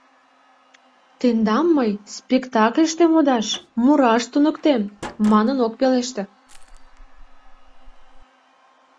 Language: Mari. «Тендам мый спектакльыште модаш, мураш туныктем», — манын ок пелеште.